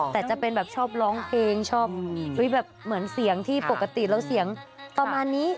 แต่จะเป็นชอบร้องเพลงแบบเสียงที่ปกติเป็นเสียงต่อมานี้